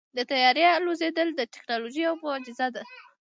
د طیارې الوزېدل د تیکنالوژۍ یوه معجزه ده.